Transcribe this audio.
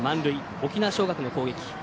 沖縄尚学の攻撃。